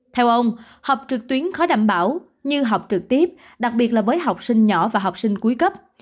theo ông học trực tuyến khó đảm bảo như học trực tiếp đặc biệt là với học sinh nhỏ và học sinh cuối cấp